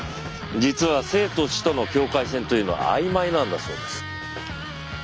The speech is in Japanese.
実は生と死との境界線というのはあいまいなんだそうです。